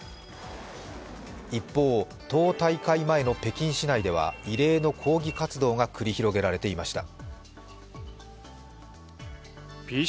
一方、党大会前の北京市内では異例の抗議活動が繰り広げられていました。